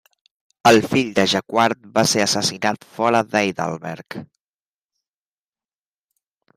El fill de Jacquard va ser assassinat fora de Heidelberg.